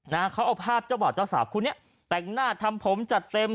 นะเขาเอาภาพเจ้าบ่าวเจ้าสาวคู่เนี้ยแต่งหน้าทำผมจัดเต็ม